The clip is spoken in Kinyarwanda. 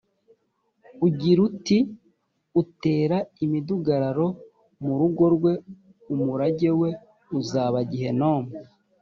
ugira uti utera imidugararo mu rugo rwe umurage we uzaba gehenomi